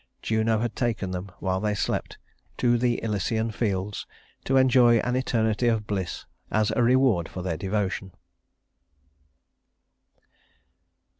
Juno had taken them, while they slept, to the Elysian Fields to enjoy an eternity of bliss as a reward for their devotion.